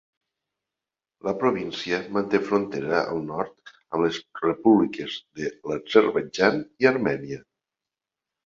La província manté frontera al nord amb les repúbliques de l'Azerbaidjan i Armènia.